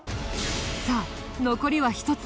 さあ残りは１つ。